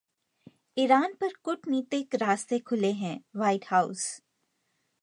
Iran पर कूटनीतिक रास्ते खुले हैं: व्हाइट हाउस